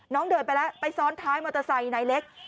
เดินไปแล้วไปซ้อนท้ายมอเตอร์ไซค์นายเล็ก